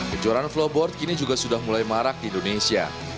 kejuaraan flowboard kini juga sudah mulai marak di indonesia